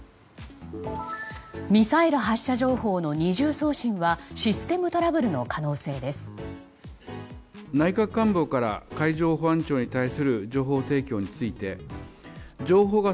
ミサイル発射情報の二重送信はシステムトラブルの可能性です。